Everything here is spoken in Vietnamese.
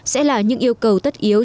sẽ là những yêu cầu tất yếu